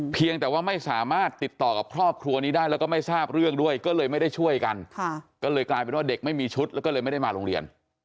เพียงแต่ว่าไม่สามารถติดต่อกับครอบครัวนี้ได้